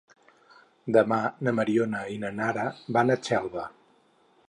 Demà na Mariona i na Nara van a Xelva.